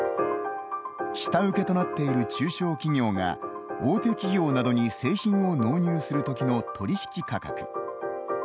下請けとなっている中小企業が大手企業などに製品を納入するときの取引価格。